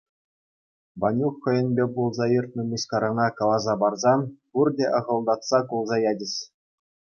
Ванюк хӑйӗнпе пулса иртнӗ мыскарана каласа парсан пурте ахӑлтатса кулса ячӗҫ.